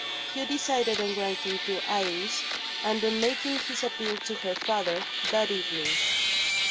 Hugh decided on writing to Iris, and on making his appeal to her father, that evening.